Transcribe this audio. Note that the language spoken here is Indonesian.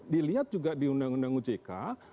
dilihat juga di undang undang ojk